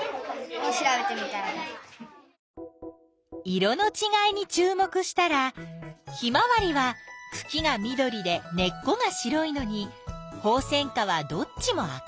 色のちがいにちゅう目したらヒマワリはくきが緑で根っこが白いのにホウセンカはどっちも赤い。